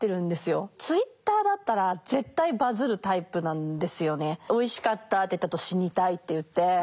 Ｔｗｉｔｔｅｒだったら「おいしかった」って言ったあと「死にたい」って言って。